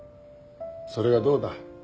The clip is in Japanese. それがどうだ？